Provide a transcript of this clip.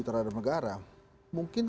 terhadap negara mungkin